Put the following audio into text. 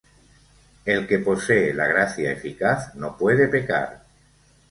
El que posee la gracia eficaz no puede pecar.